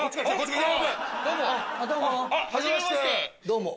どうも。